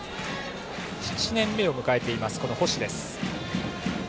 ７年目を迎えている星です。